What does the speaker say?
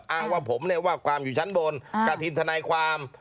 อ้างว่าผมเนี่ยว่าความอยู่ชั้นบนกับทีมทนายความ